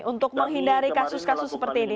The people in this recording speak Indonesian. untuk menghindari kasus kasus seperti ini